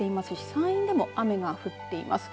山陰でも雨が降っています。